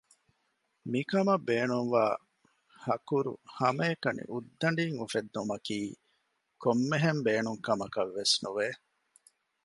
މިކަމަށް ބޭނުންވާ ހަކުރު ހަމައެކަނި އުއްދަޑީން އުފެއްދުމަކީ ކޮންމެހެން ބޭނުން ކަމަކަށްވެސް ނުވެ